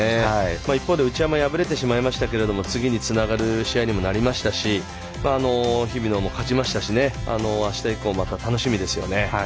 一方で内山は敗れましたが、次につながる試合にもなりましたし日比野の勝ちましたしあした以降また楽しみですよね。